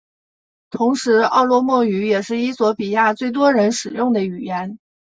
同时奥罗莫语也是衣索比亚最多人使用的语言。